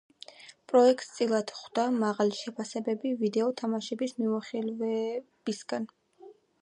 პროექტს წილად ჰხვდა მაღალი შეფასებები ვიდეო თამაშების მიმოხილველებისგან.